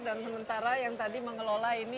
dan sementara yang tadi mengelola ini